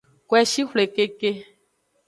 Koeshi xwle keke.